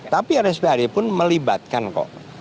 tapi rspad pun melibatkan kok